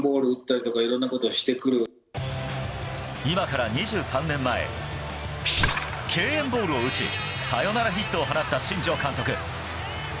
今から２３年前敬遠ボールを打ちサヨナラヒットを放った新庄監督。